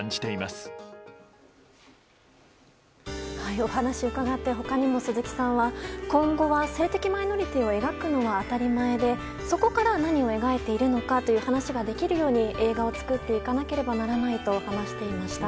お話を伺って他にも、鈴木さんは今後は性的マイノリティーを描くのは当たり前でそこから何を描いているのかという話ができるように、映画を作っていかなければならないと話していました。